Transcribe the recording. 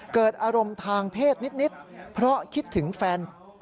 เกิดอารมณ์ทางเพศนิดเพราะคิดถึงแฟน